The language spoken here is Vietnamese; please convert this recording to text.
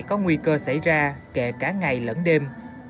có nguy cơ xảy ra kể cả ngày lẫn đêm